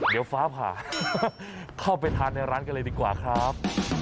เดี๋ยวฟ้าผ่าเข้าไปทานในร้านกันเลยดีกว่าครับ